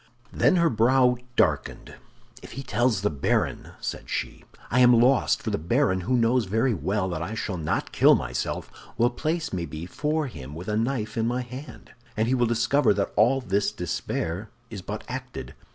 Then her brow darkened. "If he tells the baron," said she, "I am lost—for the baron, who knows very well that I shall not kill myself, will place me before him with a knife in my hand, and he will discover that all this despair is but acted."